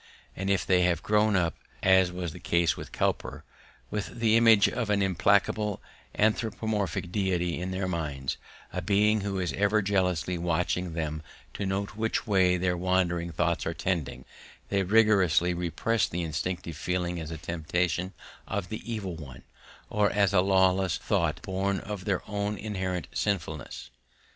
And if they have grown up, as was the case with Cowper, with the image of an implacable anthropomorphic deity in their minds, a being who is ever jealously watching them to note which way their wandering thoughts are tending, they rigorously repress the instinctive feeling as a temptation of the evil one, or as a lawless thought born of their own inherent sinfulness.